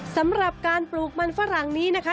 สำหรับการปลูกมันฝรั่งนี้นะคะ